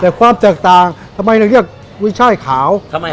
แต่ความแตกต่างทำไมเรียกกุ้ยไช่ขาวทำไมครับ